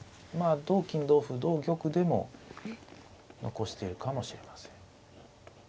まあ同金同歩同玉でも残してるかもしれません。